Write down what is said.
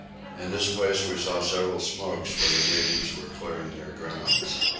In this place we saw several smokes where the natives were clearing their grounds.